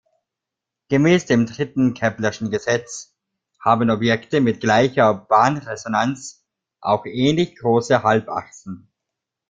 Gemäß dem dritten Keplerschen Gesetz haben Objekte mit gleicher Bahnresonanz auch ähnlich große Halbachsen.